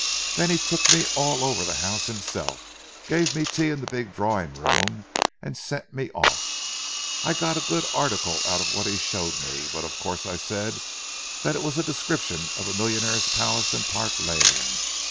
Then he took me all over the house himself; gave me tea in the big drawing room and sent me off. I got a good article out of what he showed me, but of course I said that it was a description of a millionaire's palace in Park Lane.